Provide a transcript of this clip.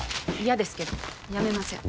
嫌ですけどやめません。